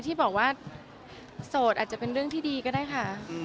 ที่บอกว่าโสดอาจจะเป็นเรื่องที่ดีก็ได้ค่ะ